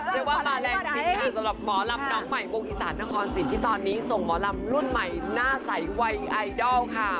เรียกว่ามาแรงจริงค่ะสำหรับหมอลำน้องใหม่วงอีสานนครสิทธิ์ที่ตอนนี้ส่งหมอลำรุ่นใหม่หน้าใสวัยไอดอลค่ะ